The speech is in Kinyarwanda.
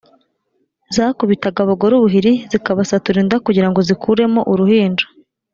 zakubitaga abagore ubuhiri, zikabasatura inda kugira ngo zikuremo uruhinja